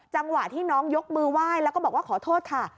จังหวะที่น้องยกมือไหว้แล้วก็บอกว่าขอโทษค่ะ